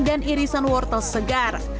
dan irisan wortel segar